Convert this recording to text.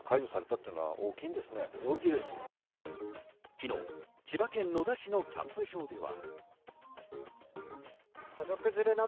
昨日、千葉県野田市のキャンプ場では。